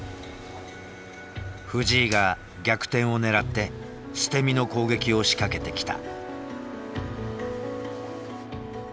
藤井が逆転をねらって捨て身の攻撃を仕掛けてきた。